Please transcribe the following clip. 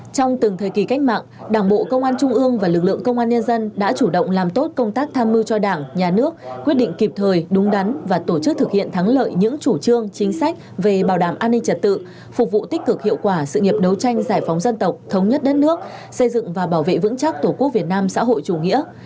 trong từng thời kỳ cách mạng đảng bộ công an trung ương và lực lượng công an nhân dân đã chủ động làm tốt công tác tham mưu cho đảng nhà nước quyết định kịp thời đúng đắn và tổ chức thực hiện thắng lợi những chủ trương chính sách về bảo đảm an ninh trật tự phục vụ tích cực hiệu quả sự nghiệp đấu tranh giải phóng dân tộc thống nhất đất nước xây dựng và bảo vệ vững chắc tổ quốc việt nam xã hội chủ nghĩa